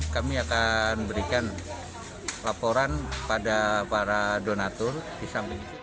kami akan berikan pelaporan pada para donatur di samping